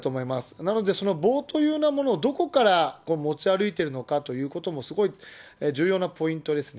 なので、その棒というようなものをどこから持ち歩いているのかということもすごい重要なポイントですね。